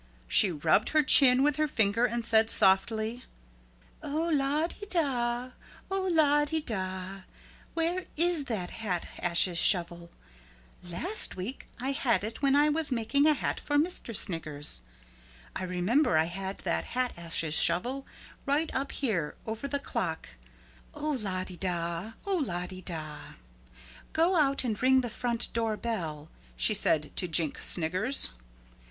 She rubbed her chin with her finger and said softly, "Oh lah de dah, oh lah de dah, where is that hat ashes shovel, last week I had it when I was making a hat for Mister Sniggers; I remember I had that hat ashes shovel right up here over the clock, oh lah de dah, oh lah de dah. Go out and ring the front door bell," she said to Jink Sniggers.